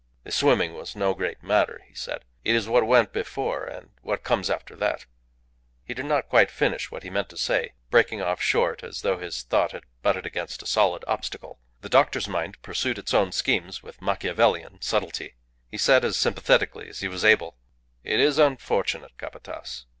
"The swimming was no great matter," he said. "It is what went before and what comes after that " He did not quite finish what he meant to say, breaking off short, as though his thought had butted against a solid obstacle. The doctor's mind pursued its own schemes with Machiavellian subtlety. He said as sympathetically as he was able "It is unfortunate, Capataz.